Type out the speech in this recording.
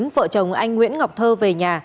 vợ chồng anh nguyễn ngọc thơ về nhà